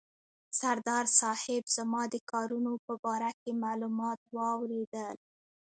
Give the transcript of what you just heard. سردار صاحب زما د کارونو په باره کې معلومات واورېدل.